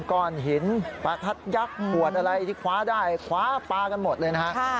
ก้อนหินประทัดยักษ์ขวดอะไรที่คว้าได้คว้าปลากันหมดเลยนะฮะ